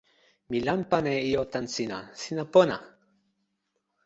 mi lanpan e ijo tan sina. sina pona!